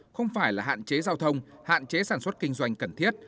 không phải là hạn chế giao thông hạn chế sản xuất kinh doanh cần thiết